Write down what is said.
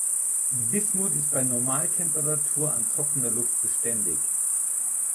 Bismut ist bei Normaltemperatur an trockener Luft beständig.